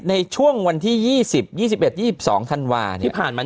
ในช่วงวันที่๒๐๒๑๒๒ธันวาค์